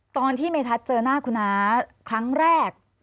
ตอนที่เมทัศน์เจอหน้าคุณน้าครั้งแรก